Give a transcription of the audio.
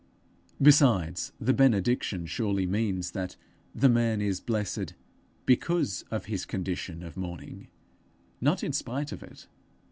Besides, the benediction surely means that the man is blessed because of his condition of mourning, not in spite of it.